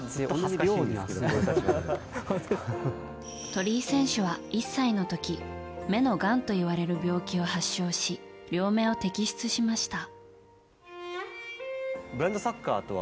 鳥居選手は１歳の時目のがんと呼ばれる病気を発症し両目を摘出しました。